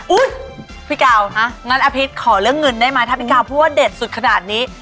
พี่กาวฮะงั้นอภิษขอเรื่องเงินได้ไหมถ้าพี่กาวพูดว่าเด็ดสุดขนาดนี้